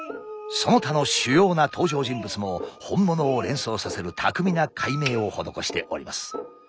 その他の主要な登場人物も本物を連想させる巧みな改名を施しております。